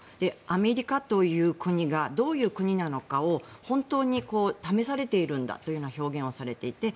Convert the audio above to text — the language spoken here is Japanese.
アメリカという国がどういう国なのかを本当に試されているんだというような表現をされていて。